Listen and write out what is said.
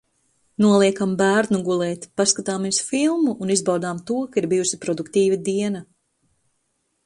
Noliekam bērnu gulēt, paskatāmies filmu un izbaudām to, ka ir bijusi produktīva diena.